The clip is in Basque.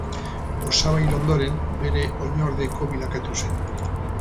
Osaba hil ondoren bere oinordeko bilakatu zen.